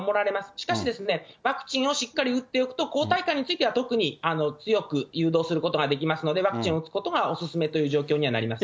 しかし、ワクチンをしっかり打っておくと抗体については特に強く誘導することができますので、ワクチンを打つことがお勧めという状況にはなりますね。